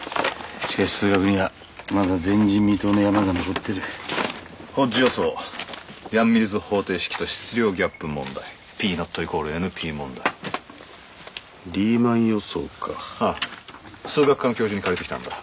しかし数学にはまだ前人未踏の山が残ってる「ホッジ予想」「ヤン−ミルズ方程式と質量ギャップ問題」「Ｐ≠ＮＰ問題」「リーマン予想」かああ数学科の教授に借りてきたんだ